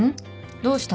どうした？